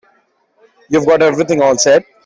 You've got everything all set?